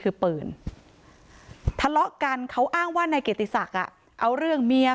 คือปืนทะเลาะกันเขาอ้างว่านายเกียรติศักดิ์เอาเรื่องเมีย